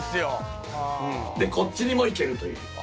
でこっちにも行けるという。